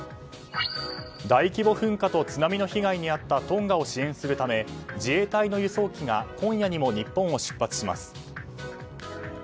大規模噴火と津波の被害に遭ったトンガを支援するため自衛隊の輸送機が今夜にも日本を出発します。